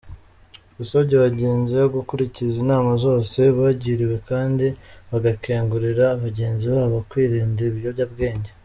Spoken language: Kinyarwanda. Yasabye bagenzi be gukurikiza inama zose bagiriwe kandi bagakangurira bagenzi babo kwirinda ibiyobyabwenge.